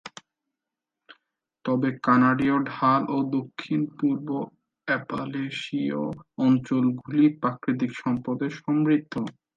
তবে কানাডীয় ঢাল ও দক্ষিণ-পূর্ব অ্যাপালেশীয় অঞ্চলগুলি প্রাকৃতিক সম্পদে সমৃদ্ধ।